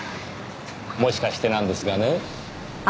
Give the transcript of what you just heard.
もしかしてなんですがね